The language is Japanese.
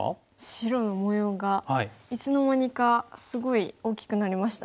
白の模様がいつの間にかすごい大きくなりましたね。